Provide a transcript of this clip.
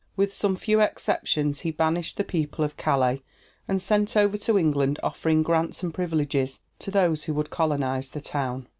With some few exceptions he banished the people of Calais; and sent over to England offering grants and privileges to those who would colonize the town.